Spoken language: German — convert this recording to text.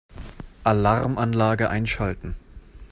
Alarmanlage einschalten.